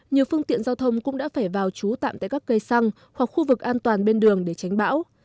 nhiều phương tiện giao thông cũng đã phải vào trú tạm tại các cây xăng hoặc khu vực an toàn bên đường để tránh bão